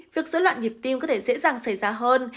việc dối loạn nhịp tim có thể dễ dàng xảy ra hơn